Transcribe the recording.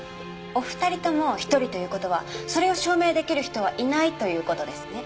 お二人とも１人という事はそれを証明出来る人はいないという事ですね？